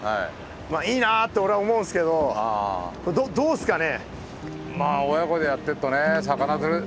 いいなあって俺は思うんすけどどうっすかね？